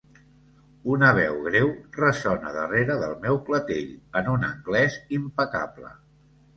Una veu greu ressona darrere del meu clatell, en un anglès impecable.